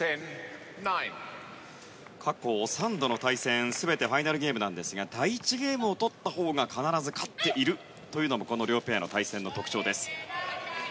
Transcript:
過去３度の対戦全てファイナルゲームなんですが第１ゲームを取ったほうが必ず勝っているというのもこの両ペアの対戦の特徴です。